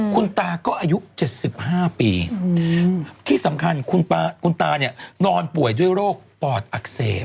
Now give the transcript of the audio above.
คุณตาก็อายุ๗๕ปีที่สำคัญคุณตาเนี่ยนอนป่วยด้วยโรคปอดอักเสบ